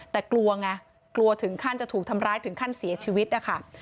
แต่กลัวไงกลัวถึงขั้นจะถูกทำร้ายถึงขั้นเสียชีวิตนะคะ